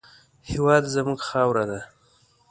هېواد زموږ خاوره ده